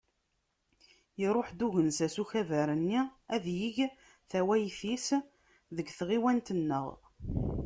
Iruḥ-d ugensas ukabar-nni ad yeg tawayt-is deg tɣiwant-nneɣ.